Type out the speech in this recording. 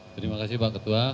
terima kasih pak ketua